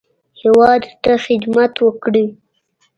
هیواد ته خدمت وکړي.